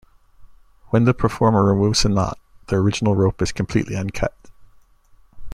When the performer removes the knot, the original rope is completely uncut.